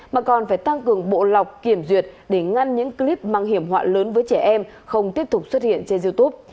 mà còn phải tăng cường bộ lọc kiểm duyệt để ngăn những clip mang hiểm họa lớn với trẻ em không tiếp tục xuất hiện trên youtube